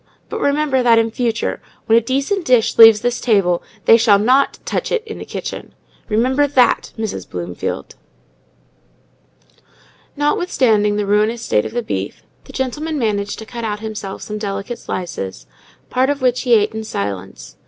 But remember that, in future, when a decent dish leaves this table, they shall not touch it in the kitchen. Remember that, Mrs. Bloomfield!" Notwithstanding the ruinous state of the beef, the gentleman managed to cut himself some delicate slices, part of which he ate in silence.